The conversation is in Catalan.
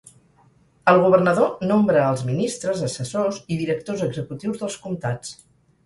El governador nombra els ministres, assessors i directors executius dels comtats.